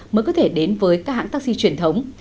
mới có thể đến với các hãng taxi truyền thống